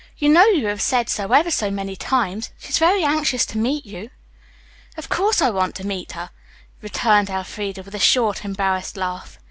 You know you have said so ever so many times. She's very anxious to meet you." "Of course I want to meet her," returned Elfreda with a short, embarrassed laugh.